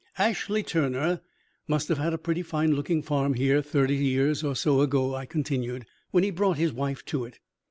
"Ashley Turner must have had a pretty fine looking farm here thirty years or so ago," I continued, "when he brought his wife to it.